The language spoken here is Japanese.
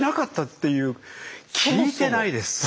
聞いてないです！